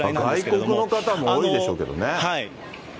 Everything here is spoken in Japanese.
外国の方も多いんでしょうけどね。